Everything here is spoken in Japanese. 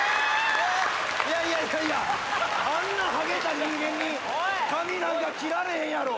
いやいやあんなハゲた人間に髪なんか切られへんやろ！